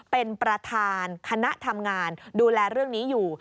เป็นประธานคณะทำงานดูแลเรื่องนี้อยู่